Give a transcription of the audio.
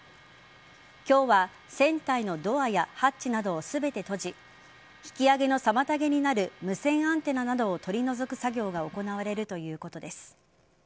今日は船体のドアやハッチなどを全て閉じ引き揚げの妨げになる無線アンテナなどを取り除く作業が行われるということです。